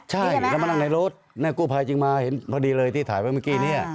ใช่แล้วมานั่งในรถกู้ภัยจึงมาเห็นพอดีเลยที่ถ่ายไว้เมื่อกี้เนี่ย